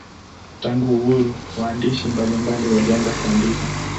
Tangu uhuru waandishi mbalimbali walianza kuandika.